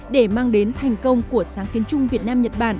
để mang đến thành công của sáng kiến chung việt nam nhật bản